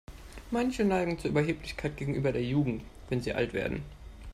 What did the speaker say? Manche neigen zu Überheblichkeit gegenüber der Jugend, wenn sie alt werden.